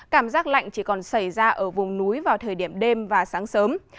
cảm giác lạnh chỉ còn xảy ra ở vùng núi vào thời điểm đêm và sáng sớm